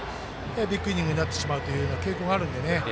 ビッグイニングになってしまうというような傾向があるのでね。